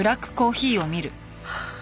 はあ。